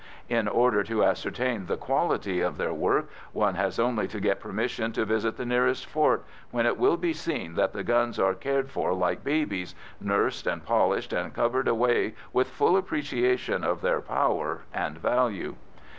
In order to ascertain the quality of their work, one has only to get permission to visit the nearest fort, when it will be seen that the guns are cared for like babies, nursed and polished and covered away with full appreciation of their power and value.